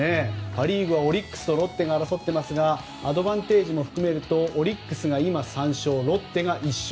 パ・リーグはオリックスとロッテが争っていますがアドバンテージも含めるとオリックスが今、３勝ロッテが１勝。